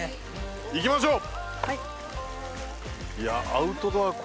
いきましょう！ねぇ。